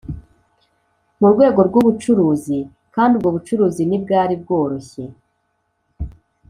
mu rwego rw ubucuruzi kandi ubwo bucuruzi nibwari bworoshye